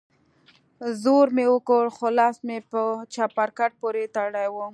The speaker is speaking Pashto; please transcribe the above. زور مې وکړ خو لاس مې په چپرکټ پورې تړلى و.